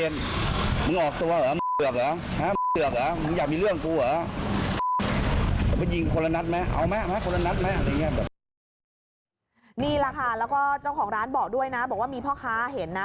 นี่แหละค่ะแล้วก็เจ้าของร้านบอกด้วยนะบอกว่ามีพ่อค้าเห็นนะ